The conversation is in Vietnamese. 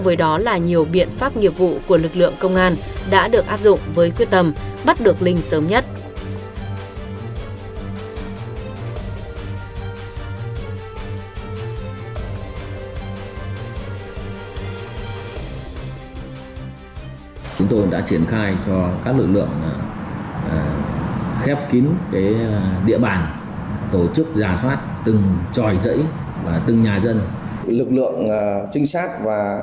với đó là nhiều biện pháp nghiệp vụ của lực lượng công an đã được áp dụng với quyết tâm bắt được linh sớm nhất